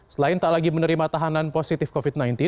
selain tak lagi menerima tahanan positif covid sembilan belas